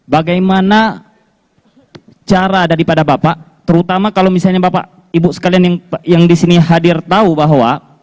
bagaimana cara daripada bapak terutama kalau misalnya bapak ibu sekalian yang disini hadir tahu bahwa